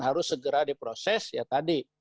harus segera diproses ya tadi